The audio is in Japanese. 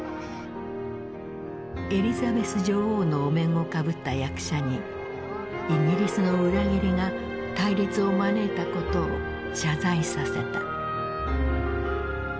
エリザベス女王のお面をかぶった役者にイギリスの裏切りが対立を招いたことを謝罪させた。